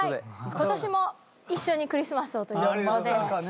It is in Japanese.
今年も一緒にクリスマスをということで。